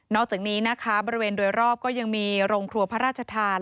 อกจากนี้นะคะบริเวณโดยรอบก็ยังมีโรงครัวพระราชทาน